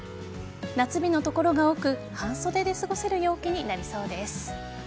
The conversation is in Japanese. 夏日の所が多く半袖で過ごせる陽気になりそうです。